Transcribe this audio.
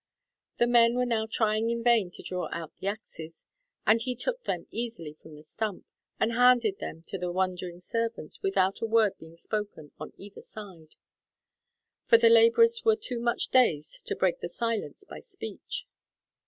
The men were now trying in vain to draw out the axes, and he took them easily from the stump, and handed them to the wondering servants without a word being spoken on either side; for the labourers were too much dazed to break the silence by speech.